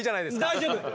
大丈夫。